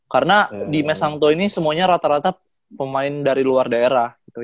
karena di mes hangto ini semuanya rata rata pemain dari luar daerah gitu